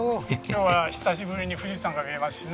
今日は久しぶりに富士山が見えますしね。